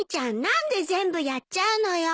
何で全部やっちゃうのよ。